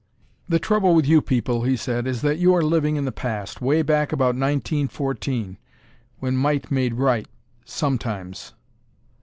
"The trouble with you people," he said, "is that you are living in the past way back about nineteen fourteen, when might made right sometimes."